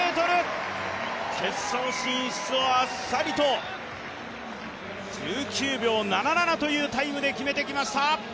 決勝進出をあっさりと、１９秒７７というタイムで決めてきました。